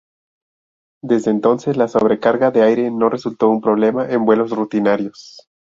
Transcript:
Desde entonces la sobrecarga de aire no resultó un problema en vuelos rutinarios.